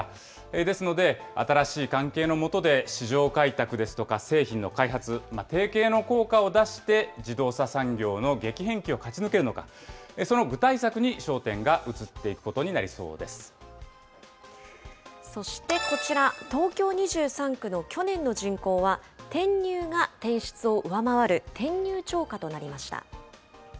ですので、新しい関係のもとで市場開拓ですとか、製品の開発、提携の効果を出して、自動車産業の激変期を勝ち抜けるのか、その具体策に焦点が移っていくことになそしてこちら、東京２３区の去年の人口は、転入が転出を上回る転入超過となりました。